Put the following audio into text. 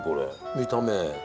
見た目。